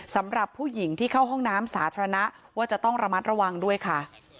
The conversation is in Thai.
สำหรับผู้หญิงที่เข้าห้องน้ำสาธารณะว่าจะต้องระมัดระวังด้วยค่ะ